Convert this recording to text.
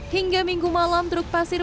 hingga minggu malam truk pasir